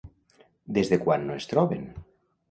Des de quan no es troben?